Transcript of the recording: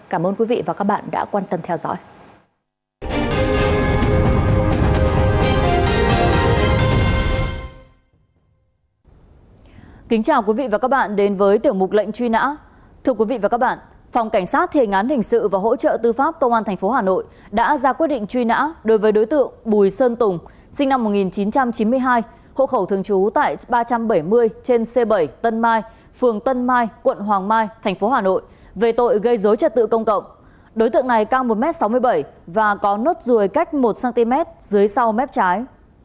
cũng liên quan đến tội gây dối trật tự công cộng phòng cảnh sát hình sự công an tp hà nội đã ra quyết định truy nã đối với đối tượng nguyễn văn nghĩa sinh năm một nghìn chín trăm chín mươi chín hộ khẩu thường trú tại thôn bắc thượng xã quang tiến huyện sóc sơn tp hà nội có nốt rùi sát cánh mũi trái